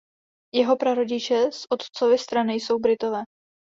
Jeho prarodiče z otcovy strany jsou Britové.